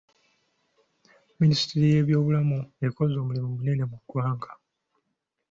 Ministule y’ebyobulamu ekoze omlimu munene mu ggwanga.